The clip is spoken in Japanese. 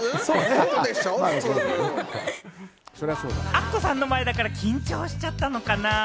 アッコさんの前だから緊張しちゃったのかな？